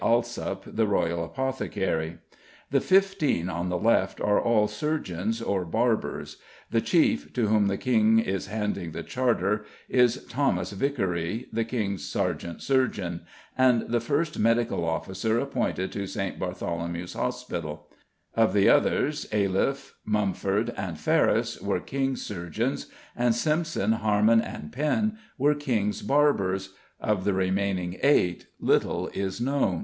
Alsop, the Royal apothecary. The fifteen on the left are all surgeons or barbers. The chief, to whom the king is handing the charter, is Thomas Vicary, the king's sergeant surgeon, and the first medical officer appointed to St. Bartholomew's Hospital; of the others, Ayliffe, Mumford, and Ferris were king's surgeons, and Symson, Harman, and Penn were king's barbers; of the remaining eight little is known.